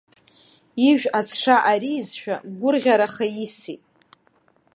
Ижә аҵша аризшәа, гәырӷьараха исит.